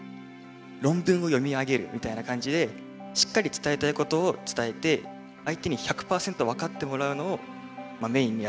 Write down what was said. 論文を読み上げるみたいな感じでしっかり伝えたいことを伝えて相手に１００％分かってもらうのをメインにやる。